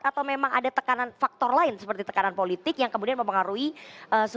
atau memang ada tekanan faktor lain seperti tekanan politik yang kemudian mempengaruhi suara